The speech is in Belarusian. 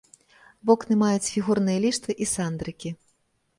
Вокны маюць фігурныя ліштвы і сандрыкі.